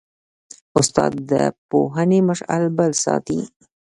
استاد د پوهنې مشعل بل ساتي.